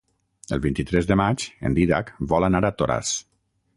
El vint-i-tres de maig en Dídac vol anar a Toràs.